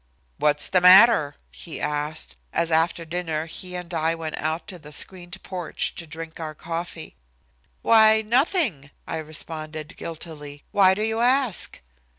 "What's the matter?" he asked, as after dinner he and I went out to the screened porch to drink our coffee. "Why, nothing," I responded guiltily. "Why do you ask?"